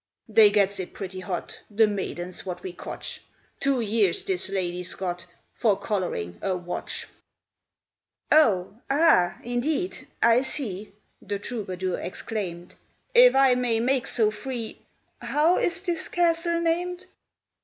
"They gets it pretty hot, The maidens wot we cotch Two years this lady's got For collaring a wotch." "Oh, ah! indeed I see," The troubadour exclaimed "If I may make so free, How is this castle named?"